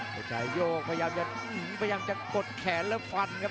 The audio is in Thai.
เวชชัยโยกพยายามจะกดแขนและฟันครับ